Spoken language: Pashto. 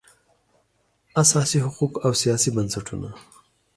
اساسي حقوق او سیاسي بنسټونه